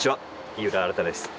井浦新です。